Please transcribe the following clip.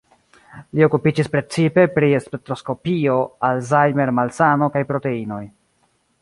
Li okupiĝis precipe pri spektroskopio, Alzheimer-malsano kaj proteinoj.